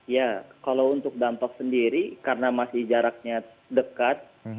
ya kalau untuk dampak sendiri karena masih jaraknya dekat